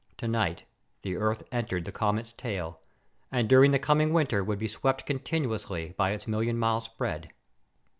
Tonight, the Earth entered the comet's tail, and during the coming winter would be swept continuously by its million mile spread.